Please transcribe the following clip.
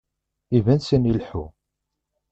Iban sani ileḥḥu.